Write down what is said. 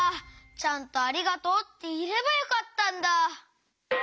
ちゃんと「ありがとう」っていえればよかったんだ。